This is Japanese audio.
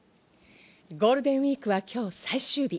ゴールデンウイークは今日、最終日。